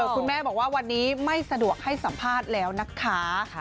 คุณแม่บอกว่าวันนี้ไม่สะดวกให้สัมภาษณ์แล้วนะคะ